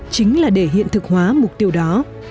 chính là để hiện thực hóa mục tiêu đó